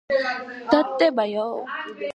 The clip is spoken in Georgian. რუსთაველს აქვს გამოყენებული ორივე.